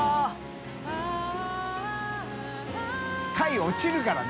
落ちるからね。